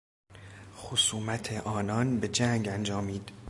خصومت آنان به جنگ انجامید.